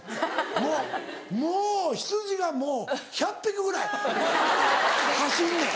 もうもう羊がもう１００匹ぐらい走んねん。